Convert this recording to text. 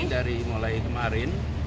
kami dari mulai kemarin